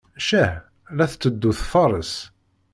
Ccah! la tetteddu tfarres.